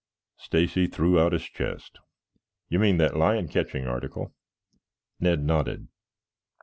Stacy threw out his chest. "You mean that lion catching article?" Ned nodded.